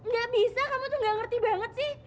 gak bisa kamu tuh gak ngerti banget sih